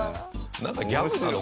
なんかギャグなの？